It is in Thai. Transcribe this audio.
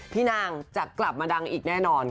พี่นางจะกลับมาดังอีกแน่นอน